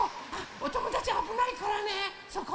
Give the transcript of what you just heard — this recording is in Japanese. おともだちあぶないからねそこ。